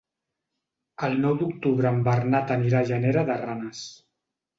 El nou d'octubre en Bernat anirà a Llanera de Ranes.